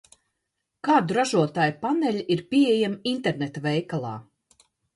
Kādu ražotāju paneļi ir pieejami interneta veikalā?